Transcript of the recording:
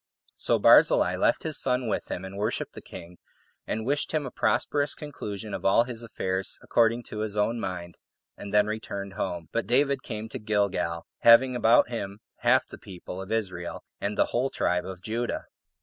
So Barzillai left his son with him, and worshipped the king, and wished him a prosperous conclusion of all his affairs according to his own mind, and then returned home; but David came to Gilgal, having about him half the people [of Israel], and the [whole] tribe of Judah.